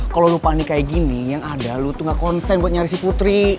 kalau lupa nih kayak gini yang ada lu tuh gak konsen buat nyari si putri